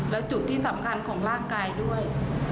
และจุดที่สำคัญของร่างกายด้วย